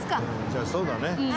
じゃあそうだね。